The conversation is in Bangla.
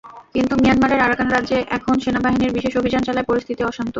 কিন্তু মিয়ানমারের আরাকান রাজ্যে এখন সেনাবাহিনীর বিশেষ অভিযান চলায় পরিস্থিতি অশান্ত।